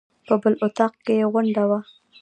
په بل اطاق کې یې غونډه وه.